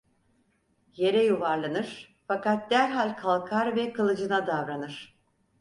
Yere yuvarlanır, fakat derhal kalkar ve kılıcına davranır.